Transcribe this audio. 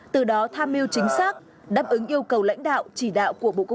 từ đó tham mưu chính xác đáp ứng yêu cầu lãnh đạo chỉ đạo của bộ công an